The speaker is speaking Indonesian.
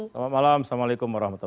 selamat malam assalamualaikum warahmatullah